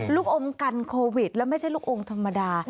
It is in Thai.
ลูกอมกันโควิดแล้วไม่ใช่ลูกอมธรรมดา